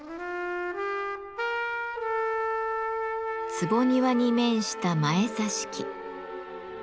坪庭に面した「前座敷」。